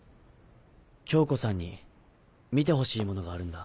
恭子さんに見てほしいものがあるんだ。